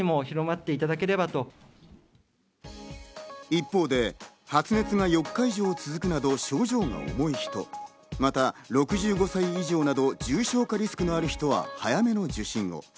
一方で発熱が４日以上続くなど症状が重い人、また６５歳以上など重症化リスクのある人は早めの受診を。